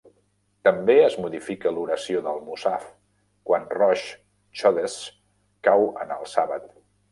També es modifica l'oració del mussaf quan Rosh Chodesh cau en el sàbat.